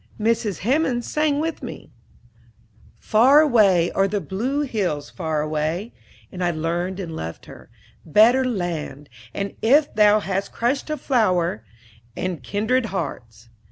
Mrs. Hemans sang with me, "Far away, o'er the blue hills far away;" and I learned and loved her "Better Land," and "If thou hast crushed a flower," and "Kindred Hearts."